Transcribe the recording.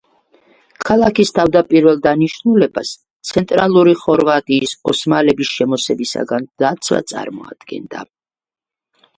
ქალაქის თავდაპირველ დანიშნულებას ცენტრალური ხორვატიის ოსმალების შემოსევებისაგან დაცვა წარმოადგენდა.